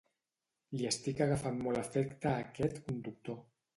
Li estic agafant molt afecte a aquest conductor